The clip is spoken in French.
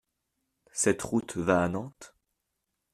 Cette route va à Nantes ?